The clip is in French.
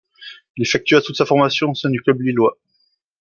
Il effectue toute sa formation au sein du club lillois.